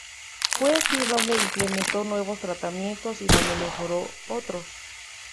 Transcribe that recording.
Fue aquí donde implementó nuevos tratamientos, y donde mejoró otros.